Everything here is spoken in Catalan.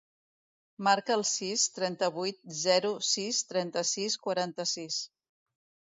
Marca el sis, trenta-vuit, zero, sis, trenta-sis, quaranta-sis.